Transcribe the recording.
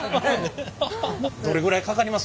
どれぐらいかかります？